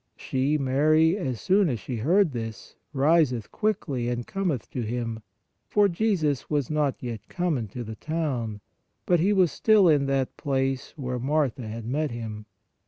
She (Mary), as soon as she heard this, riseth quickly and cometh to Him, for Jesus was not yet come into the town; but He was still in that place where Martha had met Him.